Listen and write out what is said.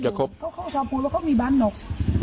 จัดโหมฮะเค้ามีบ้านนก